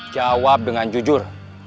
jawab dengan jujur